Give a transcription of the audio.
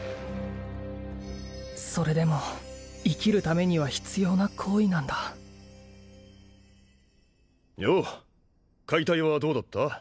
それでも生きるためには必要な行為なんだよう解体はどうだった？